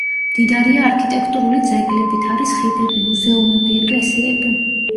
მდიდარია არქიტექტურული ძეგლებით, არის ხიდები, მუზეუმები, ეკლესიები.